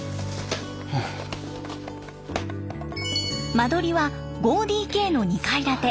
間取りは５ＤＫの２階建て。